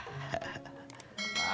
tapi tiap hari gue juga kemari